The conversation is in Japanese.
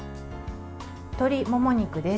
鶏もも肉です。